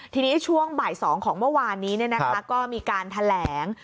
ทีนี้ช่วงบ่าย๒ของเมื่อวานนี้ก็มีการแถลง